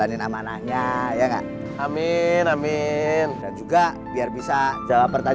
amin ya allah ya allah amin semangat terus ya bang ya siap mon